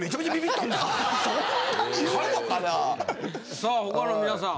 さあ他の皆さん。